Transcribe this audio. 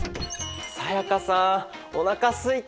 才加さんおなかすいた！